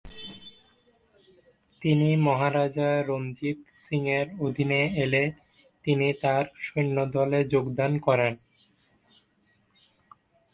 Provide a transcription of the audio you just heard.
তিনি মহারাজা রঞ্জিত সিংয়ের অধীনে এলে তিনি তার সৈন্যদলে যোগদান করেন।